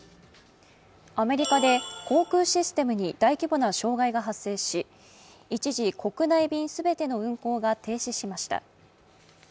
アメリカで航空システムに大規模な障害が発生し一時、国内便全ての運航が停止しました。